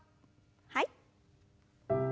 はい。